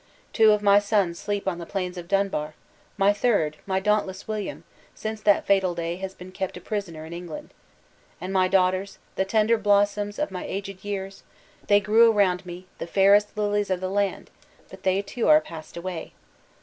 Two of my sons sleep on the plains of Dunbar; my third, my dauntless William, since that fatal day, has been kept a prisoner in England. And my daughters, the tender blossoms of my aged years they grew around me, the fairest lilies of the land: but they, too, are passed away.